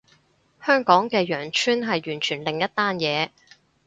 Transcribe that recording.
香港嘅羊村係完全另一單嘢